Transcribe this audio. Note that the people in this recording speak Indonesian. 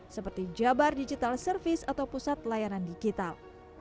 seperti jabar digital service atau pusat layanan digital